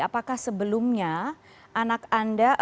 apakah sebelumnya anak anda